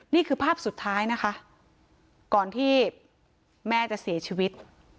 นี่คือภาพสุดท้ายนะคะก่อนที่แม่จะเสียชีวิต